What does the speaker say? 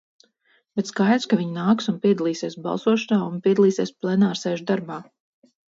Bet skaidrs, ka viņi nāks un piedalīsies balsošanā un piedalīsies plenārsēžu darbā.